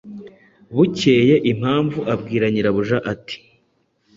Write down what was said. Bukeye Impamvu abwira nyirabuja ati: "